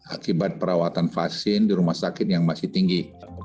akibat perawatan vaksin di rumah sakit yang masih tinggi